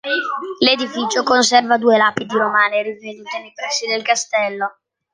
L'edificio conserva due lapidi romane rinvenute nei pressi del castello.